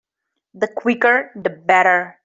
The quicker the better.